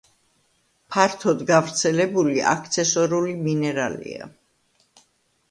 ფართოდ გავრცელებული აქცესორული მინერალია.